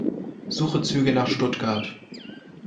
Suche Züge nach Stuttgart.